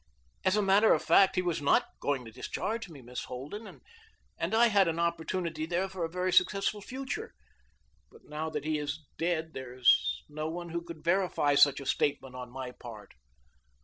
As a matter of fact, he was not going to discharge me, Miss Holden, and I had an opportunity there for a very successful future; but now that he is dead there is no one who could verify such a statement on my part."